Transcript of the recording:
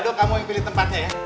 dok kamu yang pilih tempatnya ya